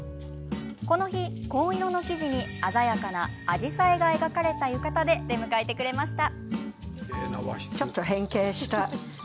この日は、紺色の生地に鮮やかなアジサイが描かれた浴衣で出迎えてくれました。